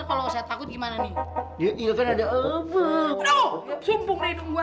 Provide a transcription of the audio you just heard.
kalau saya takut gimana nih iya kan ada apa apa sumpung neng gua